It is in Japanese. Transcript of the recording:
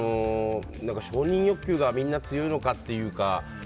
承認欲求がみんな強いのかというか。